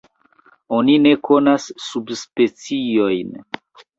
Oni ne konas subspeciojn.